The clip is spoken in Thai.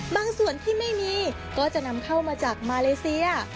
บางส่วนที่ไม่มีก็จะนำเข้ามาจากมาเลเซีย